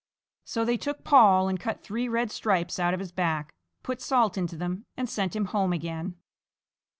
So they took Paul and cut three red stripes out of his back, put salt into them, and sent him home again.